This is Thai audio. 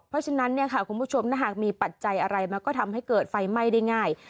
เพราะฉะนั้นเนี่ยค่ะคุณผู้ชมถ้าหากมีปัจจัยอะไรมาก็ทำให้เกิดไฟไหม้ได้ง่าย